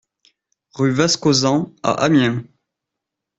Rue Vascosan à Amiens